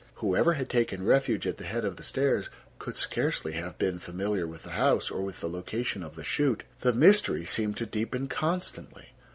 Whoever had taken refuge at the head of the stairs could scarcely have been familiar with the house, or with the location of the chute. The mystery seemed to deepen constantly.